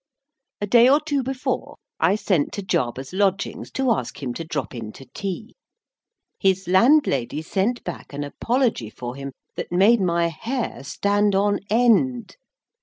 A day or two before, I sent to Jarber's lodgings to ask him to drop in to tea. His landlady sent back an apology for him that made my hair stand on end.